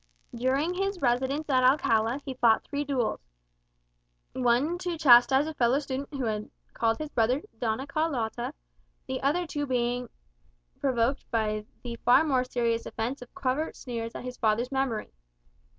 During his residence at Alcala he fought three duels; one to chastise a fellow student who had called his brother "Doña Carlotta," the other two on being provoked by the far more serious offence of covert sneers at his father's memory.